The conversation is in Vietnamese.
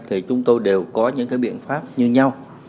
thì chúng tôi đều có những cái biện pháp như nhau